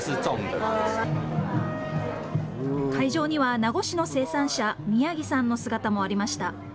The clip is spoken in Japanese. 会場には名護市の生産者、宮城さんの姿もありました。